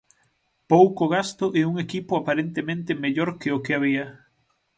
Pouco gasto e un equipo aparentemente mellor que o que había.